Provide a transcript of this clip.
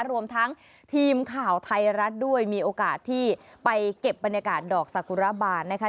รวมทั้งทีมข่าวไทยรัฐด้วยมีโอกาสที่ไปเก็บบรรยากาศดอกสกุระบาลนะคะ